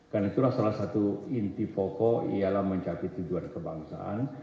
karena itulah salah satu inti pokok ialah mencapai tujuan kebangsaan